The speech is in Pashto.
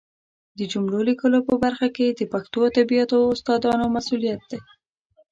د جملو لیکلو په برخه کې د پښتو ادبیاتو استادانو مسؤلیت دی